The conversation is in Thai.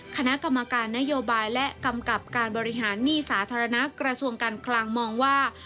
คณะกรรมการนโยบายและกำกับการบริหารหนี้สาธารณะกระทรวงการคลังมองว่า